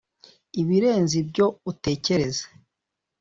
ibirenze ibyo utekereza.